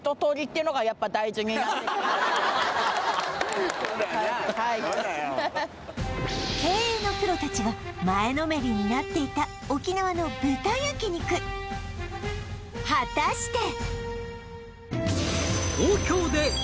そうだよ経営のプロ達が前のめりになっていた沖縄の豚焼肉果たして！？